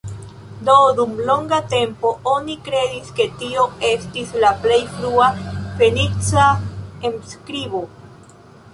Do, dum longa tempo oni kredis, ke tio estis la plej frua fenica enskribo.